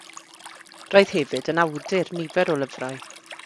Roedd hefyd yn awdur nifer o lyfrau.